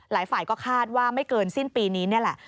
หลายฝ่ายก็คาดว่าไม่เกินสิ้นปีนี้นี่แหละ